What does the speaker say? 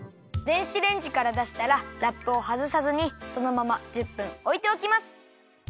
電子レンジからだしたらラップをはずさずにそのまま１０分おいておきます。